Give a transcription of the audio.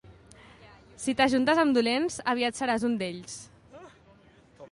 Si t'ajuntes amb dolents, aviat seràs un d'ells.